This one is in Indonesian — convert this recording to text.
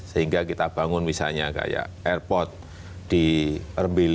sehingga kita bangun misalnya kayak airport di ermbeli